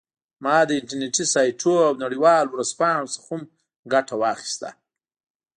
ما د انټرنیټي سایټونو او نړیوالو ورځپاڼو څخه هم ګټه واخیسته